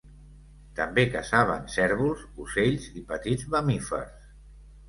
També caçaven cérvols, ocells i petits mamífers.